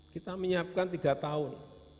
kita menyiapkan tiga tahun